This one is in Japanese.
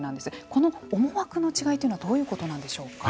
この思惑の違いというのはどういうことなんでしょうか。